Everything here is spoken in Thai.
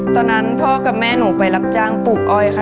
ตอนนั้นพ่อกับแม่หนูไปรับจ้างปลูกอ้อยค่ะ